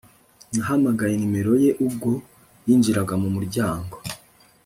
nahamagaye nimero ye ubwo yinjiraga mu muryango